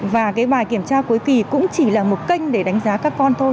và cái bài kiểm tra cuối kỳ cũng chỉ là một kênh để đánh giá các con thôi